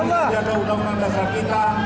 mari kita jaga undang undang dasar kita